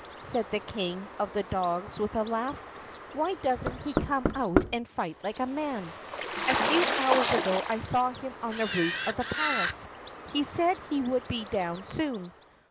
said the King of the dogs with a laugh. "Why doesn't he come out and fight like a man? A few hours ago I saw him on the roof of the palace. He said he would be down soon.